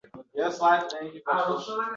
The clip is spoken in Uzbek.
bunday to‘lovli o‘yinlarni o‘ynasa bo‘ladi.